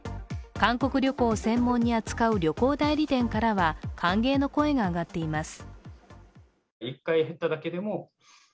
韓国旅行を専門に扱う旅行代理店からは歓迎の声が上がっています。